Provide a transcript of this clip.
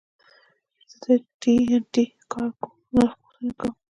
زه د ټي این ټي کارګو نرخ پوښتنه کوم.